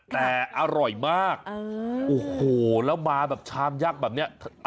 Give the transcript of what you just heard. แต่อร่อยมากโอ้โหแล้วมาแบบชามยักษ์แบบนี้